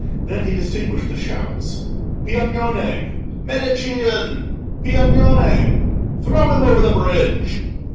Then he distinguished the shouts, "Piagnone! Medicean! Piagnone! Throw him over the bridge!"